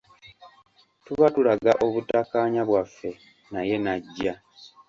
Tuba tulaga obutakkaanya bwaffe naye n’ajja.